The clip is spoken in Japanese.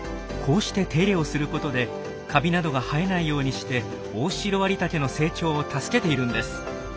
こうして手入れをすることでカビなどが生えないようにしてオオシロアリタケの成長を助けているんです。